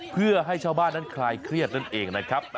เพื่อให้ชาวบ้านนั้นคลายเครียดนั่นเองนะครับ